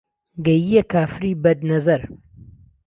گهییه کافری بهدنەزەر